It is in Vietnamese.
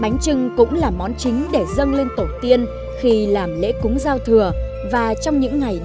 bánh trưng cũng là món chính để dâng lên tổ tiên khi làm lễ cúng giao thừa và trong những ngày nắng